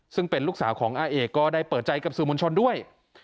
ซึ่งเป็นลูกสาวของอาเอกก็ได้เปิดใจกับสื่อมวลชนด้วย